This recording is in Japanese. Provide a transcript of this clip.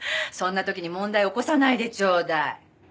そんな時に問題起こさないでちょうだい。